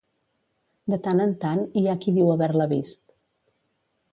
De tant en tant hi ha qui diu haver-la vist.